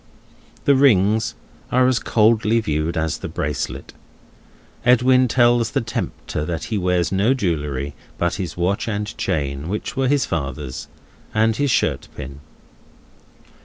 The rings are as coldly viewed as the bracelet. Edwin tells the tempter that he wears no jewellery but his watch and chain, which were his father's; and his shirt pin.